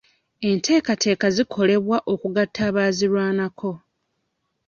Enteekateeka zikolebwa okugatta abaazirwanako.